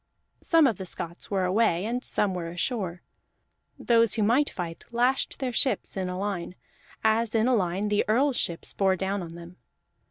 Some of the Scots were away, and some were ashore; those who might fight lashed their ships in a line, as in a line the Earl's ships bore down on them.